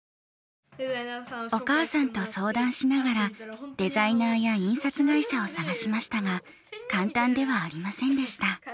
お母さんと相談しながらデザイナーや印刷会社を探しましたが簡単ではありませんでした。